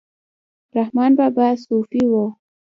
رحمان بابا صوفي و